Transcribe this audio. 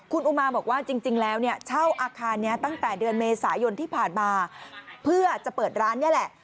คุณอุมาบอกว่าจริงแล้วเนี่ยเช่าอาคารนี้ตั้งแต่เดือนเมษายนที่ผ่านมาเพื่อจะเปิดร้านนี่แหละ